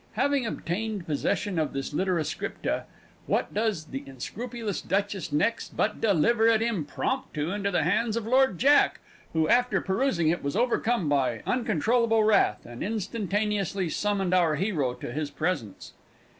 Having obtained possession of this litera scripta, what does the unscrupulous Duchess next but deliver it impromptu into the hands of Lord Jack, who, after perusing it, was overcome by uncontrollable wrath and instantaneously summoned our hero to his presence.